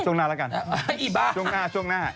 ส่วนหน้าระกันกี่บ้าช่วงหน้า